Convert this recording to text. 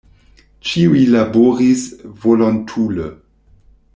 Ĉiuj laboris volontule.